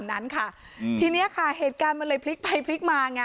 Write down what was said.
นั้นค่ะอืมทีเนี้ยค่ะเหตุการณ์มันเลยพลิกไปพลิกมาไง